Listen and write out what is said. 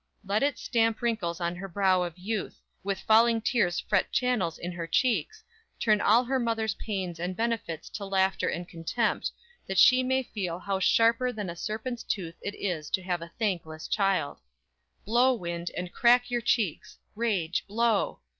Let it stamp wrinkles on her brow of youth; With falling tears fret channels in her cheeks; Turn all her mother's pains and benefits To laughter and contempt; that she may feel How sharper than a serpent's tooth it is To have a thankless child!"_ _Blow, wind, and crack your cheeks! rage! blow!